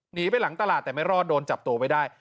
หนีไปหลังตลาดแต่ไม่รอดโดนจับตัวไว้ได้